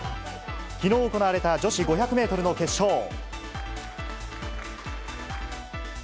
昨日行われた女子５００ｍの決勝。